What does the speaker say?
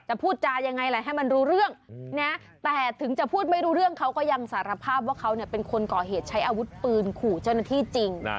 พูดจายังไงล่ะให้มันรู้เรื่องนะแต่ถึงจะพูดไม่รู้เรื่องเขาก็ยังสารภาพว่าเขาเป็นคนก่อเหตุใช้อาวุธปืนขู่เจ้าหน้าที่จริง